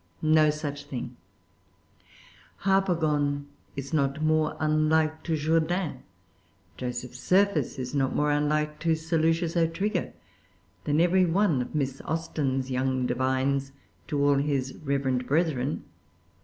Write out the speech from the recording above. No such thing. Harpagon is not more unlike to Jourdain, Joseph Surface is not more unlike to Sir Lucius O'Trigger, than every one of Miss Austen's young divines to all his reverend brethren.